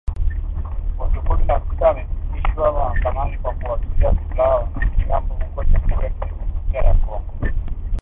Watu kumi na sita wamefikishwa mahakamani kwa kuwauzia silaha wanamgambo huko Jamhuri ya kidemokrasia ya Kongo.